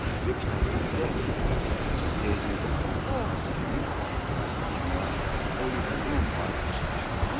よきタイミングで成人とかの暁にこれから君はもうこういう局面もあるかもしれないと。